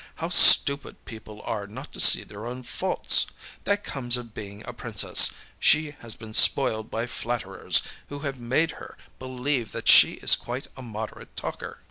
How stupid people are not to see their own faults! That comes of being a princess: she has been spoiled by flatterers, who have made her believe that she is quite a moderate talker!